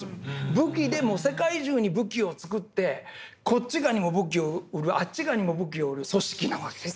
武器で世界中に武器を造ってこっち側にも武器を売るあっち側にも武器を売る組織なわけです。